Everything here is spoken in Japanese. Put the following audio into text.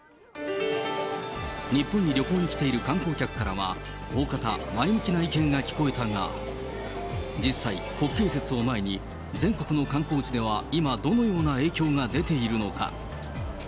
日本に旅行に来ている観光客からは、大方、前向きな意見が聞こえたが、実際、国慶節を前に全国の観光地では今、どのような影響が出ているのか。